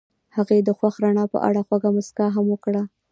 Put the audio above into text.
هغې د خوښ رڼا په اړه خوږه موسکا هم وکړه.